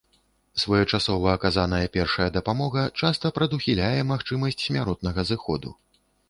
Своечасова аказаная першая дапамога часта прадухіляе магчымасць смяротнага зыходу.